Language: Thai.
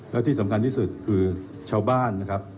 แล้วที่สำคัญที่สุดคือชาวบ้านนะครับ